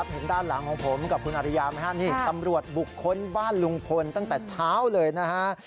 เห็นด้านหลังของผมกับคุณอริยาไหมฮะนี่ตำรวจบุกค้นบ้านลุงพลตั้งแต่เช้าเลยนะฮะ